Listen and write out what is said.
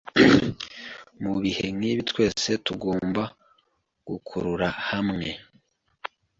Mubihe nkibi, twese tugomba gukurura hamwe.